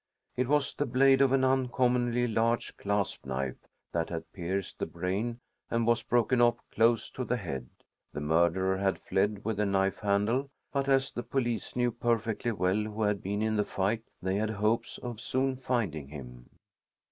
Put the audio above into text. It was the blade of an uncommonly large clasp knife that had pierced the brain and was broken off close to the head. The murderer had fled with the knife handle, but as the police knew perfectly well who had been in the fight, they had hopes of soon finding him.